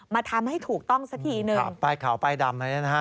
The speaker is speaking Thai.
มาทำให้ถูกต้องซะทีนึง